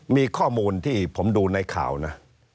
มีข้อมูลที่ผมดูในข่าวนะ